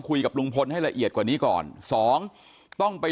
คุยกับลุงพลให้ละเอียดกว่านี้ก่อนสองต้องไป